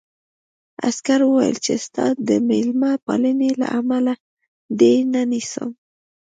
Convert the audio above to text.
عسکر وویل چې ستا د مېلمه پالنې له امله دې نه نیسم